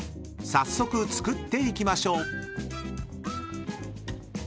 早速作っていきましょう］